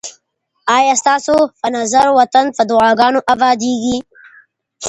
آیا ستاسو په نظر وطن په دعاګانو اباديږي؟